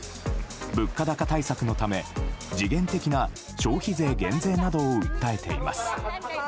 物価高対策のため、時限的な消費税減税などを訴えています。